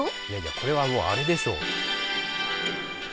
これはもうあれでしょう。